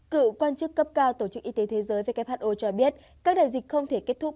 cựu quan chức cấp cao tổ chức y tế thế giới who cho biết các đại dịch không thể kết thúc